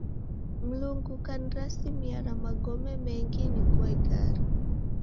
Mlungu kanirasimia na magome mengi nigua igare.